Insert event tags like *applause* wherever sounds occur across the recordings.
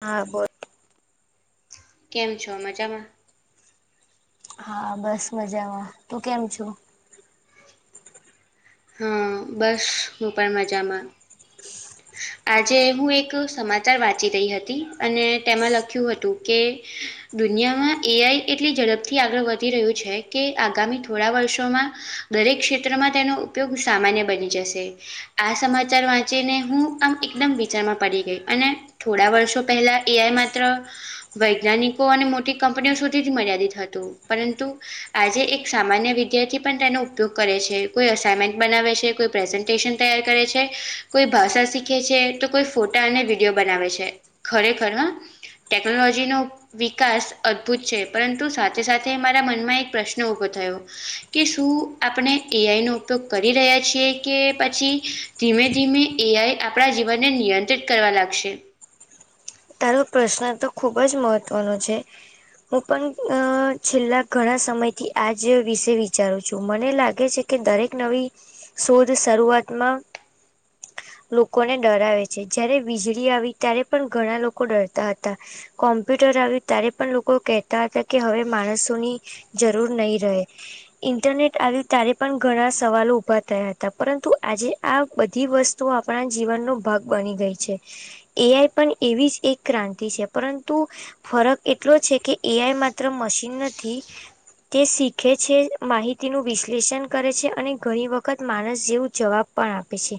હા બોલ. કેમ. છો મજામાં હા બસ મજામાં તું કેમ છુ? હમ્મ બસ હું પણ મજામાં *inaudible* આજે હું એક સમાચાર વાંચી રહી હતી અને તેમાં લખ્યું હતું કે દુનિયામાં એઆઈ એટલી ઝડપથી આગળ વધી રહ્યું છે કે આગામી થોડા વર્ષોમાં દરેક ક્ષેત્રમાં તેનો ઉપયોગ સામાન્ય બની જશે આ સમાચાર વા ચેને હું આમ એકદમ વિચારમાં પડી ગઈ અને થોડા વર્ષો પહેલાં એ આઈ માત્ર વૈજ્ઞાનિકો અને મોટી કંપનીઓ સુધી જ મર્યાદિત હતું પરંતુ આજે એક સામાન્ય વિદ્યાર્થી પણ તેનો ઉપયોગ કરે છે કોઈ અસાયનમેન્ટ બનાવે છે કોઈ પ્રેઝન્ ટેશન તૈયાર કરે છે કોઈ ભાષા શીખે છે તો કોઈ ફોટા અને વિડીયો બનાવે છે ખરેખર હા ટેકનોલોજીનો વિકાસ અદભુત છે પરંતુ સાથે સાથે મારા મનમાં એક પ્રશ્ન ઊભો થયો કે શું આપણે એ આઈ નો ઉપયોગ કરી રયા છીએ કે પછી ધીમે ધીમે એ આઈ આપણા જીવનને નિયંત્રિત કરવા લાગશે તારો પ્રશ્ન તો ખૂબ જ મહત્વનો છે. હું પન અ ઘણા છેલ્લા સમયથી આજ વિશે વિચારું છું મને લાગે છે કે દરેક નવી શોધ શરૂવાતમાં લોકોને ડરાવે છે જયારે વીજળી આવી ત્યારે પણ ઘણા લોકો ડરતા હતા. કોમ્પ્યુટર આવ્યું ત્યારે પણ લોકો કહેતા હતા કે હવે માણસોની જરૂર નઈ રહે ઈન્ટરનેટ આવ્યું ત્યારે પણ ઘણા સવાલો ઊભા થયા હતા પરંતુ આજે આ બધી વસ્તું આપણા જીવનનો ભાગ બની ગઈ છે એ આઈ પણ એવી જ એક ક્રાંતિ છે પરંતુ ફરક એટલો છે કે એ આઈ માત્ર મશીન નથી તે શીખે છે માહિતીનું વિશ્લેષન કરે છે અને ઘણી વખત માણસ જેવું જવાબ પણ આપે છે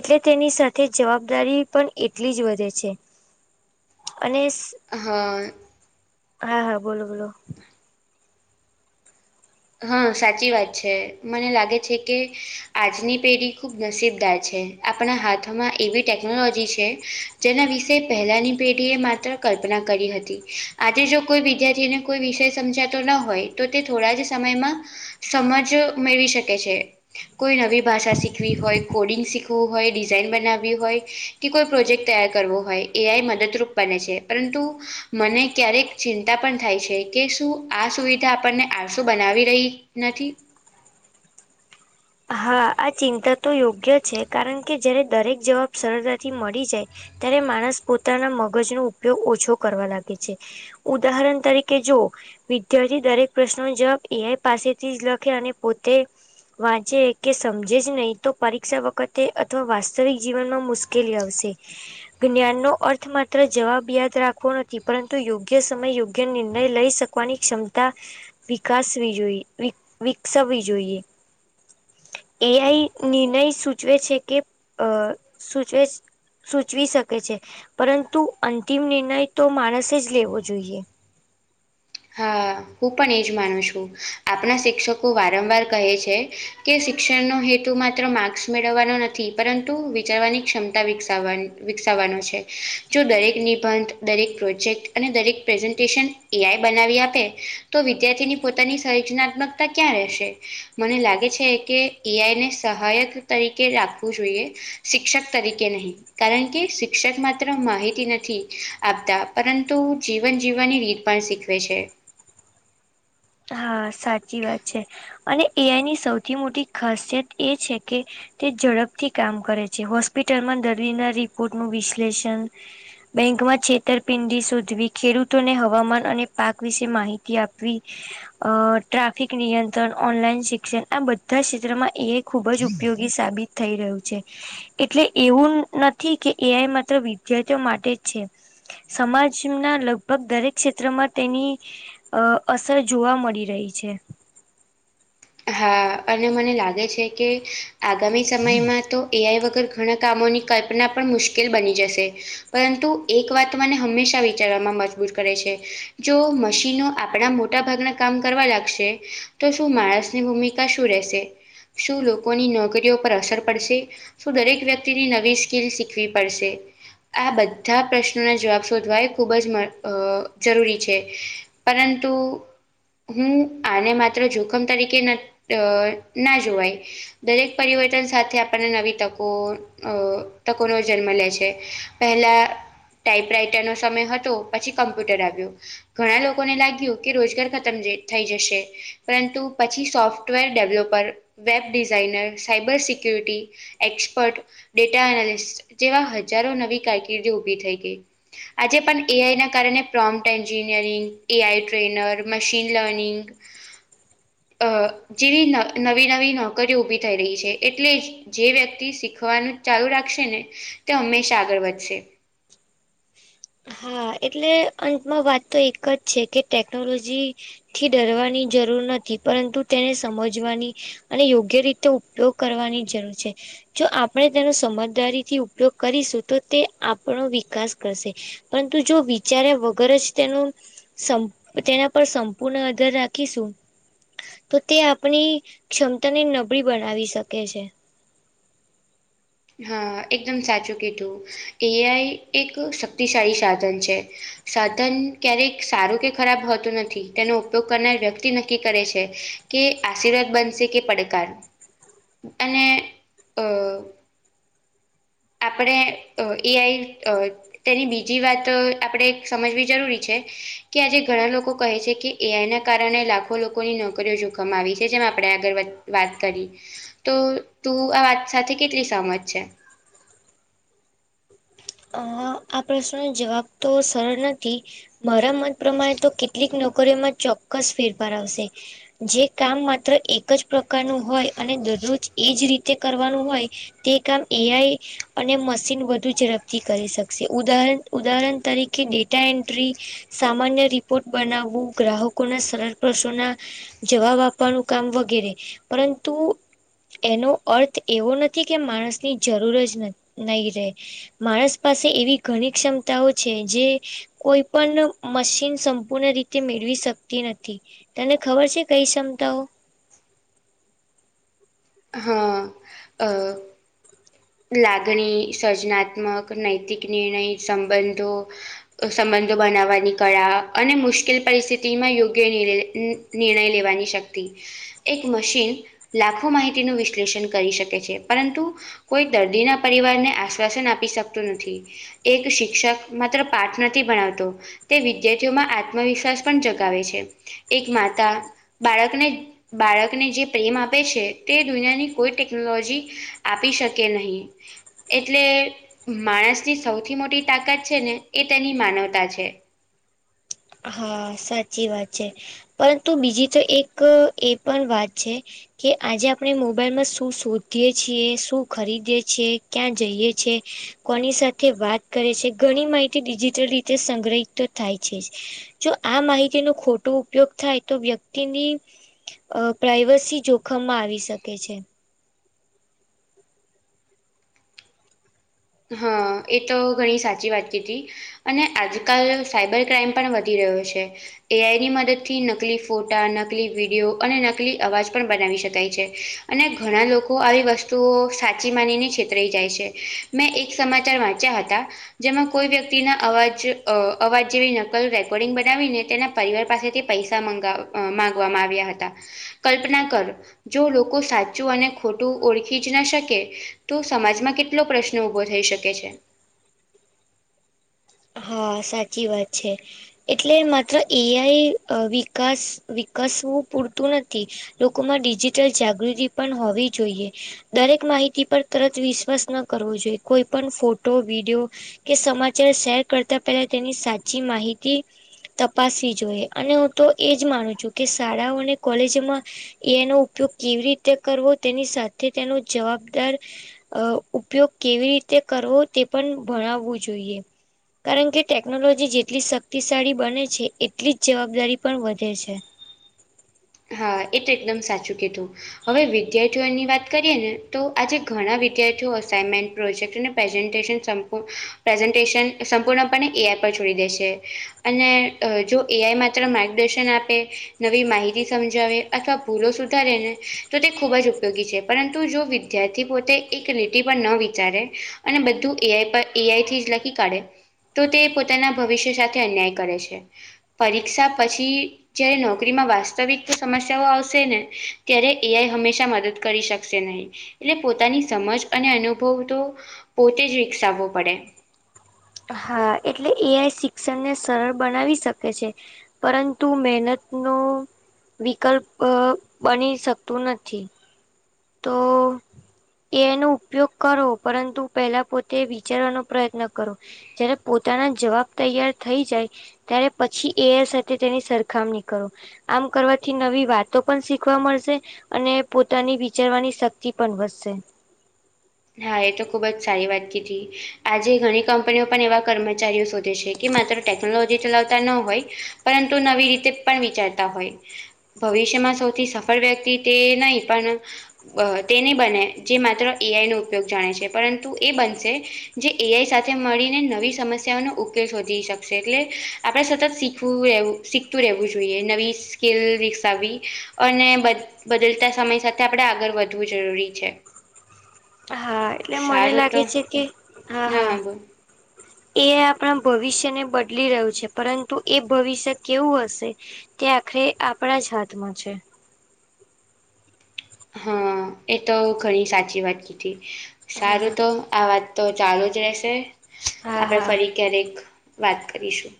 એટલે તેની સાથે જવાબદારી પણ એટલી જ વધે છે. અનેસ અહા હા હા બોલો બોલો હ સાચી વાત છે મને લાગે છે કે આજની પેઢી ખૂબ નસીબદાર છે આપણા હાથમાં એવી ટેકનોલોજી છે જેના વિશે પહેલાની પેઢીએ માત્ર કલ્પના કરી હતી આજે જો કોઈ *unintelligible* કોઈ વિષય સમજાતો ન હોય તો તે થોડા જ સમયમાં સમજ મેળવી શકે છે. કોઈ નવી ભાષા શીખવી હોય કોડિંગ શીખ ખવું હોય ડિઝાઇન બનાવી હોય કે કોઈ પ્રોજેક્ટ તૈયાર કરવો હોય એ આઈ મદદરૂપ બને છે પરંતુ મને ક્યારેક ચિંતા પણ થાય છે કે શું આ સુવિધા આપણને આ શું બનાવી રઈ નથી હા આ ચિંતા તો યોગ્ય છે કારણકે જ્યારે દરેક જવાબ સરળતાથી મરી જાય ત્યારે માણસ પોતાના મગજનો ઉપયોગ ઓછો કરવા લાગે છે. ઉદાહરણ તરીકે જો વિદ્યાર્થી દરેક પ્રશ્નનોનો જવાબ એ આઈ પાસેથી જ લખે અને પોતે વાંચે કે સમજે જ નઈ પરીક્ષા વખતે અથવા વાસ્તવિક જીવનમાં મુશ્કેલી આવશે. *unintelligible* અર્થ માત્ર જવાબ યાદ રાખવો નથી પરંતુ યોગ્ય સમય યોગ્ય *unintelligible* લઈ શક *unintelligible* ક્ષમતા વિકાસવી જોઈ વીક વિકસાવવી જોઈએ. એ આઈ *unintelligible* સૂચવે છે કે અ સૂચવેસ સૂચવી શકે છે પરંતુ અંતિમ નિરનય તો માણસે જ લેવો જોઈએ. હા હું પણ એ જ માનું છું આપના શિક્ષકો વારંવાર કહે છે કે શિક્ષણનો હેતુ માત્ર માર્ક્સ મેળવવાનો નથી પરંતુ વિચારવાની ક્ષમતા વિકસાવવાન વિકસાવવાનો છે જો દરેક નિબંધ દરેક પ્રોજેક્ટ અને દરેક પ્રેઝન્ટેશન એ આઈ બનાવી આપે તો વિદ્યાર્થીની પોતાની સર્જનાત્મકતા ક્યાં રહેશે મને લાગે છે કે એ આઈને સહાયક તરીકે રાખવું જોઈએ શિક્ષક તરીકે નહીં કારણ કે શિક્ષક માત્ર માહિતી નથી આપતા પરંતુ જીવન જીવવાની રીત પણ શી વે છે. હા, સાચી વાત છે અને એઆઈની સૌથી મોટી ખાસિયત એ છે કે તે ઝડપથી કામ કરે છે, હોસ્પિટલમાં દર્દીના રિપોર્ટનું વિશ્લેષણ બેંકમાં છેતરપિંડી શોધવી, ખેડૂતોને હવામાન અને પાક વિશે માહિતી આપવી *inaudible* અ ટ્રાફિક નિયંત્રણ, ઓનલાઈન શિક્ષણ આ બધાય ક્ષેત્રમાં એ આઈ ખૂબ જ ઉપયોગી સાબિત થઈ રહ્યું છે. એટલે એવું નથી કે એ આઈ માત્ર વિદ્યાર્થીઓ માટે જ છે. સમાજના લગભગ દરેક ક્ષેત્રમાં તેની અ અસર જોવા મળી રહી છે. હા અને મને લાગે છે કે, આગામી સમયમાં તો એઆઈ વગર ઘણા કામોની કલ્પના પણ મુશ્કેલ બની જશે, પરંતુ એક વાત મને હંમેશા વિચારવામાં મજબૂર કરે છે. જો મશીનો આપણા મોટા ભાગના કામ કરવા લાગશે, તો શું માણસ ની ભૂમિકા શું રહેશે શું લોકોની નોકરીઓ પર અસર પડશે? શું દરેક વ્યક્તિની નવી સ્કીલ શીખવી પડશે? આ બધા પ્રશ્નોના જવાબ શોધવા એ ખૂબ જ મ અ જરૂરી છે. પરંતુ હું આને માત્ર જોખમ તરી કે ન ટ ના જોવાય, દરેક પરિવર્તન સાથે આપડને નવી તકો અ તકો નવો જન્મ લે છે પેહલા ટાઈપ રાઈટરનો સમય હતો, પછી કમ્પ્યુટર આવ્યુ ઘણા લોકોને લાગ્યું કે રોજગાર ખતમ છે થઈ જશે, પરંતુ પછી software developer, web designer, cyber security expert, data analyst જેવા હજારો નવી કારકિર્દી ઉભી થઈ ગઈ. આજે પણ એઆઈના કારણે prompt engineering, A I trainer, machine learning અ જેવી ન નવી-નવી નોકરીઓ ઊભી થઈ રહી છે, એટલે જ જે વ્યક્તિ શીખવાનું ચાલુ રાખશેને, તે હંમેશા આગળ વધશે. હા એટલે અંતમાં વાત તો એક જ છે કે ટેકનોલોજી થી ડરવાની જરૂર નથી, પરંતુ તેને સમજવાની અને યોગ્ય રીતે ઉપયોગ કરવાની જરૂર છે. જો આપણે તેનો સમજદારીથી ઉપયોગ કરીશું, તો તે આપણો વિકાસ કરશે. પરંતુ જો વિચાર્યા વગર જ તેનું સંમ તેના પર સંપૂર્ણ આધાર રાખીશું તો તે આપણી ક્ષમતાને નબળી બનાવી શકે છે. હા, એકદમ સાચું કીધું. એ આઈ એક શક્તિશાળી સાધન છે, સાધન ક્યારે સારું કે ખરાબ હોતું નથી, તેનો ઉપયોગ કરનાર વ્યક્તિ નક્કી કરે છે કે આશીર્વાદ બનશે કે પડકાર. *inaudible* અને અ આપણે અ એ આઈ અ તેની બીજી વાત આપડે સમજવી જરૂરી છે. કે આજે ઘણા લોકો કહે છે કે, એઆઈના કારણે લાખો લોકોની નોકરીઓ જોખમ આવી છે જેમ આપડે આગળ વ વાત કરી તો તું આ વાત સાથે કેટલી સહમત છે? અ આ પ્રશ્નનો જવાબ તો સરળ નથી. મારા મત પ્રમાણે તો કેટલીક નોકરીઓમાં ચોક્કસ ફેરફાર આવશે. જે કામ માત્ર એક જ પ્રકારનું હોય અને દરરોજ એજ રીતે કરવાનું હોય તે કામ એ આઈ અને મશીન વધુ જ ઝડપ થી કરી શકશે. ઉદાહરણ ઉદાહરણ તરીકે ડેટા એન્ટ્રી સામાન્ય રિપોર્ટ બનાવવું, ગ્રાહકોના સરળ પ્રશ્નોના જવાબ આપવાનું કામ વગેરે, પરંતુ એનો અર્થ એવો નથી કે માણસની જરૂર જ ન નહી રહે. માણસ પાસે એવી ઘણી ક્ષમતાઓ છે જે કોઈ પણ મશીન સંપૂર્ણ રીતે મેળવી શકતી નથી. તને ખબર છે કઈ ક્ષમતાઓ? હા અ લાગણી, સર્જનાત્મક, નૈતિક નિર્ણય, સંબંધો સંબંધો બનાવવાની કળા અને મુશ્કેલ પરિસ્થિતિમાં યોગ્ય *unintelligible* નિર્ણય લેવાની શક્તિ. એક મશીન લાખો માહિતીનું વિશ્લેષણ કરી શકે છે, પરંતુ કોઈ દર્દીના પરિવારને આશ્વાસન આપી શકતું નથી. એક શિક્ષક માત્ર પાઠ નથી ભણાવતો તે વિધાર્થીઓમાં આત્મવિશ્વાસ પણ જગાવે છે. એક માતા બાળકને બાળકને જે પ્રેમ આપે છે તે દુનિયાની કોઈ ટેકનોલોજી આપી શકે નહીં. એટલે માણસની સૌથી મોટી તાકાત છે ને એ તેની માનવતા છે. હા સાચી વાત છે, પરંતુ બીજી તો એક એ પણ વાત છે કે આજે આપણે મોબાઈલમાં શું શોધીએ છીએ, શું ખરીદીએ છીએ, ક્યાં જઈએ છીએ, કોની સાથે વાત કરે છે ઘણી માહિતી ડિજિટલ રીતે સંગ્રહિત તો થાય છે જ. જો આ માહિતીનો ખોટો ઉપયોગ થાય તો વ્યક્તિની અ પ્રાઈવસી જોખમમાં આવી શકે છે. હા, એ તો ઘણી સાચી વાત કીધી અને આજકાલ સાઈબર ક્રાઈમ પણ વધી રહ્યો છે. એ આઈની મદદથી નકલી ફોટા, નકલી વિડિઓ અને નકલી અવાજ પણ બનાવી શકાય છે. અને ઘણા લોકો આવી વસ્તુઓ સાચી માનીને છેતરાઈ જાય છે. મેં એક સમાચાર વાંચ્યા હતા જેમાં કોઈ વ્યક્તિના અવાજ અ અવાજ જેવી નકલ રેકોર્ડિંગ બનાવીને તેના પરિવાર પાસેથી પૈસા મંગાવ-માંગવામાં આવ્યા હતા. કલ્પના કર જો લોકો સાચું અને ખોટું ઓળખી જ ના શકે તો સમાજમાં કેટલો પ્રશ્ન ઉભો થઈ શકે છે. હા, સાચી વાત છે. એટલે માત્ર એ આઈ વિકાસ વિકસવું પૂરતું નથી. લોકોમાં ડિજિટલ જાગૃતિ પણ હોવી જોઈએ. દરેક માહિતી પર તરત વિશ્વાસ ન જોઈએ. કોઈ પણ ફોટો, વિડીયો કે સમાચાર શેર કરતા પહેલા તેની સાચી માહિતી તપાસવી જોઈએ અને હું તો એજ માનું છું કે શાળાઓ અને કોલેજમાં એ આઈનો ઉપયોગ કેવી રીતે કરવો તેની સાથે તેનો જવાબદાર અ ઉપયોગ કેવી રીતે કરવો તે પણ ભણાવવું જોઈએ. કારણ કે ટેકનોલોજી જેટલી શક્તિશાળી બને છે એટલી જ જવાબદારી પણ વધે છે. હા, એ તો એકદમ સાચું કીધું. હવે વિદ્યાર્થીઓની વાત કરીએ ને તો આજે ઘણા વિદ્યાર્થીઓ અસાાઈનમેન્ટ, પ્રોજેક્ટ અને પ્રેઝન્ટેશન શમ્પૂ પ્રેઝન્ટેશન સંપૂર્ણપણે એ આઈ પર છોડી દેશે. અને જો એ આઈ માત્ર માર્ગદર્શન આપે નવી માહિ સમજાવે અથવા ભૂલો સુધારેને તો તે ખૂબ જ ઉપયોગી છે, પરંતુ જો વિધાર્થી પોતે એક લીટી પર ન વિચારે અને બધું એ આઈ પર એ આઈ થી જ લખી કાઢે તો તે પોતાના ભવિષ્ય સાથે અન્યાય કરે છે. પરીક્ષા પછી જ્યારે નોકરીમાં વાસ વાસ્તવિક સમસ્યાઓ આવશે ને ત્યારે એ આઈ હંમેશા મદદ કરી શકશે નહીં. એટલે પોતાની સમજ અને અનુભવ તો પોતે જ વિકસાવવો પડે. એટલે એ આઈ શિક્ષણ ને સરળ બનાવી શકે. પરંતુ મહેનતનો વિકલ્પ અ બની શકતું નથી. તો એ આઈ નો ઉપયોગ કરવો પરંતુ, પહેલા પોતે વિચારવાનો પ્રયત્ન કરો. ''જ્યારે પોતાના જવાબ તૈયાર થઈ જાય. '' ત્યારે પછી એ આઈ સાથે તેની સરખામણી કરો. આમ કરવાથી નવી વાતો પણ શીખવા મળશે અને પોતાની વી ''વિચારવાની શક્તિ પણ વધશે. '' હા એ તો ખૂબ જ સારી વાત કીધી. આજે ઘણી કંપનીઓ પણ એવા કર્મચારીઓ શોધે છે, કે માત્ર ટેકનોલોજી ચલાવતા ન હોય. ''પરંતુ નવી રીતે પણ વિચારતા હોય. '' ભવિષ્યમાં સૌથી સફળ વ્યક્તિ તે નહી પણ અ તેની નહી બને જે માત્ર એ આઈ નો ઉપયોગ જાણે છે પરંતુ એ બનશે જે એ આઈ સાથે મળીને નવી સમસ્યાઓનો ઉકેલ શોધી શક એટલે આપણે સતત શીખવું રહેવું શીખતું રહેવું જોઈએ નવી સ્કીલ વિકસાવવી. અને બદ બદલતા સમય સાથે આપણે આગળ વધવું જરૂરી છે. હા એટલે મને સારું તો લાગે છે કે હા હા. એ આઈ આપણા ભવિષ્યને બદલી રહ્યું છે પરંતુ એ ભવિષ્ય કેવું હશે? ''તે આખરે આપણા જ હાથમાં છે. '' હા એ તો ઘણી સાચી વાત કીધી સારું હા. તો આ વાત તો ચાલુ જ રહેશે હા આપણે હા ફરી ક્યારેક વાત કરીશું.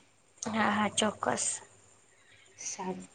હા હા ચોક્કસ! સારું